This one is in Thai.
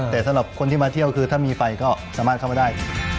แต่สำหรับคนที่มาเที่ยวคือถ้ามีไฟก็สามารถเข้ามาได้